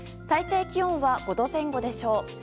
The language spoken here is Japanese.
最低気温は５度前後でしょう。